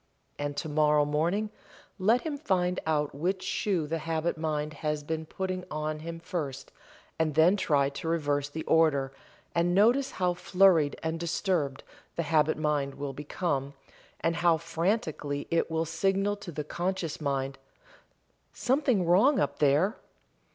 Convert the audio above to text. And tomorrow morning let him find out which shoe the habit mind has been putting on him first and then try to reverse the order and notice how flurried and disturbed the habit mind will become, and how frantically it will signal to the conscious mind: "Something wrong up there!"